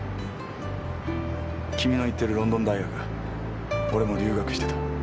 君の行ってるロンドン大学俺も留学してた。